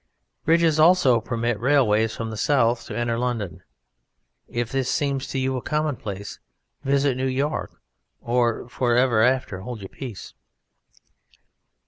Bridges also permit railways from the south to enter London. If this seems to you a commonplace, visit New York or for ever after hold your peace.